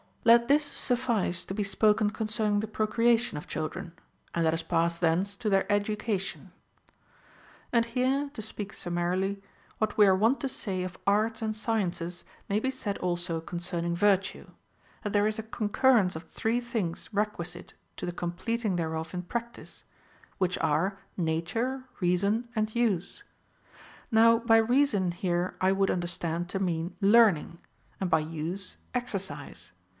Let this suffice to be spoken concerning the procreation of children : and let us pass thence to their education. 4. And here, to speak summarily, what λΥβ are wont to say of arts and sciences may be said also concerning virtue : that there is a concurrence of three things requisite to the ^* Eurip. Hippol. 424. OF THE TRAINING OF CHILDREN. 0 completing thereof in practice, — which are nature, reason, and use. Now by reason here I would be understood to mean learning ; and by nse, exercise.